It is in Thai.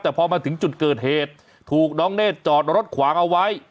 แต่พอมาถึงจุดเกิดเหตุถูกน้องเนธจอดรถขวางเอาไว้